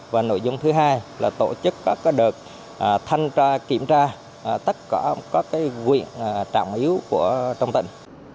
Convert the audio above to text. và nội dung thứ hai là tổ chức các đợt thanh tra kiểm tra tất cả các huyện trạng yếu của trong tỉnh